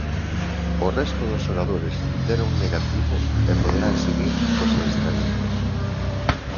O resto dos xogadores deron negativo e poderán seguir cos adestramentos.